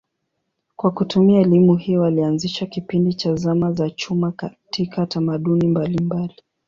Kwa kutumia elimu hii walianzisha kipindi cha zama za chuma katika tamaduni mbalimbali.